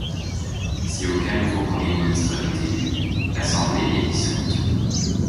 Si aucun nouveau Premier ministre n'est élu, l'assemblée est dissoute.